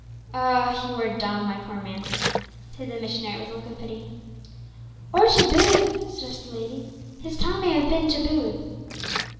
"Ah! you are dumb, my poor man," said the missionary, with a look of pity. "Or tabooed," suggested the lady; "his tongue may have been tabooed."